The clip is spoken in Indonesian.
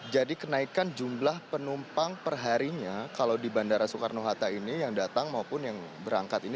kenaikan jumlah penumpang perharinya kalau di bandara soekarno hatta ini yang datang maupun yang berangkat ini